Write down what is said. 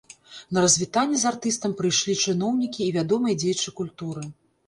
На развітанне з артыстам прыйшлі чыноўнікі і вядомыя дзеячы культуры.